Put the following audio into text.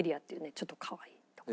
ちょっとかわいいとこ。